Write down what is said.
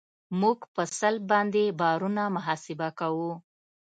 موږ په سلب باندې بارونه محاسبه کوو